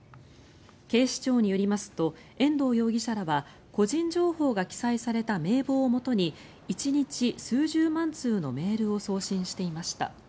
警視庁によりますと遠藤容疑者らは個人情報が記載された名簿をもとに１日数十万通のメールを送信していました。